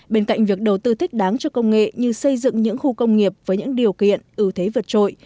bên cạnh việc đầu tư thích đáng cho công nghệ như xây dựng những khu công nghiệp với những điều kiện ưu thế vượt trội